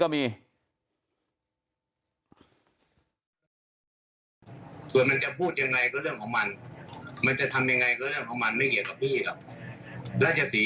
เพราะทนายอันนันชายชายเดชาบอกว่าจะเป็นการเอาคืนยังไง